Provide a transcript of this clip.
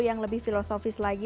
yang lebih filosofis lagi